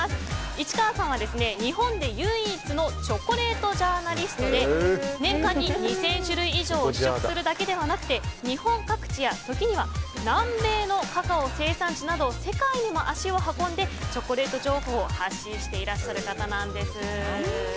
市川さんは日本で唯一のチョコレートジャーナリストで年間に２０００種類以上を試食するだけではなくて日本各地や時には南米のカカオ生産地など世界にも足を運んでチョコレート情報を発信していらっしゃる方なんです。